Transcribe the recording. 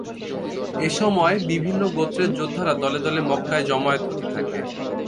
এ সময় বিভিন্ন গোত্রের যোদ্ধারা দলে দলে মক্কায় জমায়েত হতে থাকে।